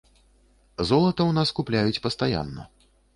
Золата ў нас купляюць пастаянна.